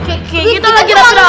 kayak gitu lah jelas jelas